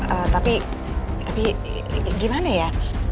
ehh tapi tapi gimana ya